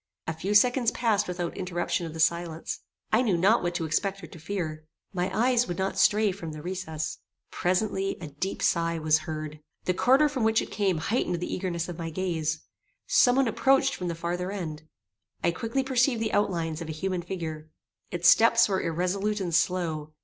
A few seconds passed without interruption of the silence. I knew not what to expect or to fear. My eyes would not stray from the recess. Presently, a deep sigh was heard. The quarter from which it came heightened the eagerness of my gaze. Some one approached from the farther end. I quickly perceived the outlines of a human figure. Its steps were irresolute and slow.